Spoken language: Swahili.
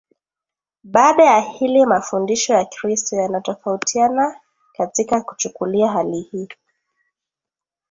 Baada ya hili mafundisho ya Kristo yanatofautiana katika kuchukulia hali hii